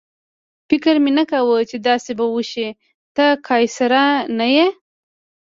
فکر مې نه کاوه چې داسې به وشي، ته کاسېره نه یې.